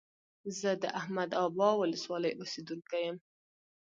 زه د احمد ابا ولسوالۍ اوسيدونکى يم.